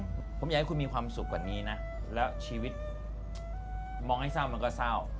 ผมอยากให้คุณมีความสุขกว่านี้นะแล้วชีวิตมองให้เศร้ามันก็เศร้า